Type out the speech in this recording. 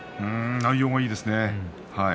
内容がいいですね